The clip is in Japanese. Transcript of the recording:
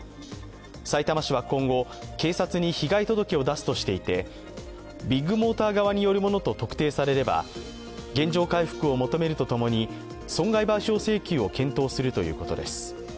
さいたま市は今後、警察に被害届を出すとしていて、ビッグモーター側によるものと特定されれば原状回復を求めるとともに損害賠償請求を検討するということです。